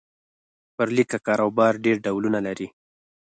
پر لیکه کاروبار ډېر ډولونه لري.